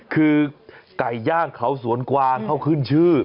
คือไก่ย่างเขาสวนกวางเขาขึ้นชื่อ